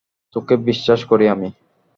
তোকে বিশ্বাস করি আমি।